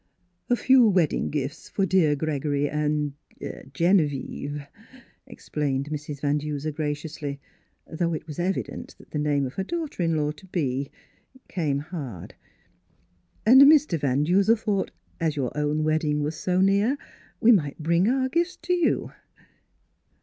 " A few wedding gifts for dear Gregory and — Genevieve," explained Mrs. Van Duser graciously, though it was evident that the name of her daughter in law to Miss VUilurcCs Wedding Gown be came hard. " And Mr. Van Duser thought, as your own wedding was so near, we might bring our gifts to you."